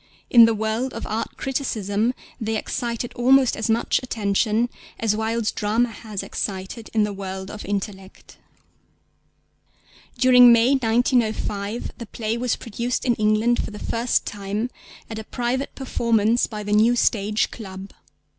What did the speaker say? In the world of art criticism they excited almost as much attention as Wilde's drama has excited in the world of intellect. During May 1905 the play was produced in England for the first time at a private performance by the New Stage Club.